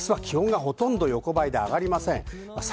あすは気温がほとんど横ばいで上がりません。